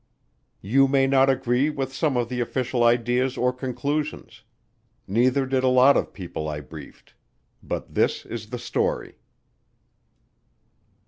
You may not agree with some of the official ideas or conclusions neither did a lot of people I briefed but this is the story.